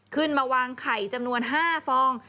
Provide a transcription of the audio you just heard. ขึ้นมาวางไข่จำนวน๕ฟอง